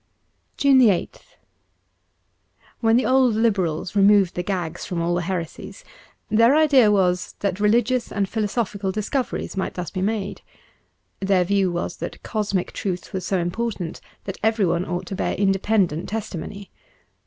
^ 176 JUNE 8th WHEN the old Liberals removed the gags from all the heresies, their idea was that religious and philosophical discoveries might thus be made. Their viev/ was that cosmic truth was so important that everyone ought to bear independent testimony.